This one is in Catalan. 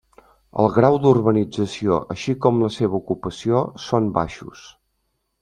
El grau d'urbanització així com la seva ocupació són baixos.